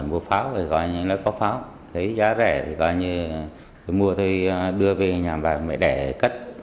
một pháo thì gọi như là có pháo thấy giá rẻ thì gọi như mua thì đưa về nhà và để cất